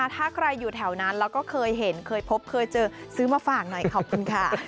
ถ้าใครอยู่แถวนั้นแล้วก็เคยเห็นเคยพบเคยเจอซื้อมาฝากหน่อยขอบคุณค่ะ